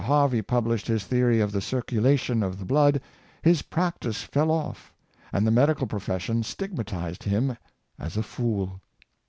Harvey published his theory of the circulation of the blood, his practice fell off, and the medical profes sion stigmatised him as a fool.